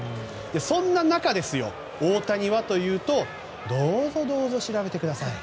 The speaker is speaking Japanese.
そんな中、大谷はというとどうぞ、どうぞ調べてください。